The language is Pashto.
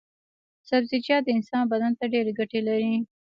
سبزيجات د انسان بدن ته ډېرې ګټې لري.